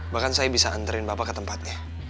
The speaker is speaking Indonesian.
bahkan saya bisa anterin bapak ke tempatnya